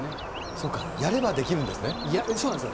そうか、やればできるんですそうなんです。